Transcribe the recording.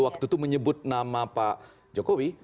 waktu itu menyebut nama pak jokowi